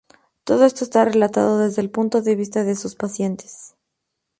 Todo esto está relatado desde el punto de vista de sus pacientes.